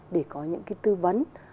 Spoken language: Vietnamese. để có những cái tư vấn